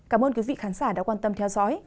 cảm ơn quý vị khán giả đã quan tâm theo dõi